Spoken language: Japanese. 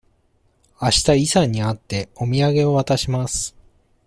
あしたイさんに会って、お土産を渡します。